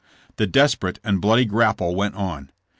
The desperate and bloody grapple went on.